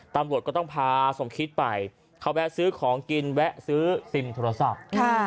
ตำรวจก็ต้องพาสมคิดไปเขาแวะซื้อของกินแวะซื้อซิมโทรศัพท์